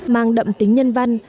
mang đậm tính nhân văn